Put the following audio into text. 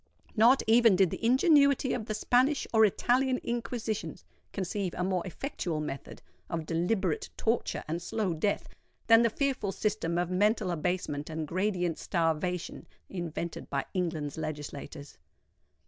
Not even did the ingenuity of the Spanish or Italian Inquisitions conceive a more effectual method of deliberate torture and slow death, than the fearful system of mental abasement and gradient starvation invented by England's legislators.